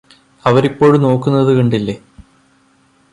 അവരിപ്പോളും നോക്കുന്നത് കണ്ടില്ലേ